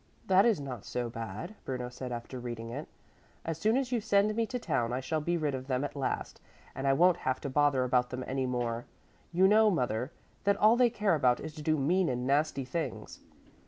"That is not so bad," Bruno said after reading it. "As soon as you send me to town I shall be rid of them at last, and I won't have to bother about them any more. You know, mother, that all they care about is to do mean and nasty things."